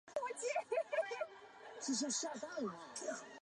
蒙塔尼厄人口变化图示